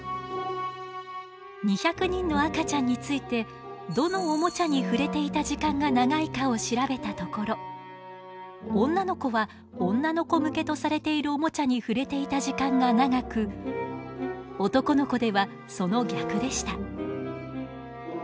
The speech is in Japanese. ２００人の赤ちゃんについてどのおもちゃに触れていた時間が長いかを調べたところ女の子は女の子向けとされているおもちゃに触れていた時間が長く男の子ではその逆でした。